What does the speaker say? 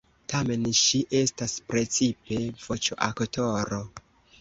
Tamen ŝi estas precipe voĉoaktoro.